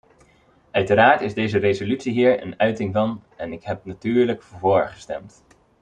Uiteraard is deze resolutie hier een uiting van en ik heb natuurlijk vóór gestemd.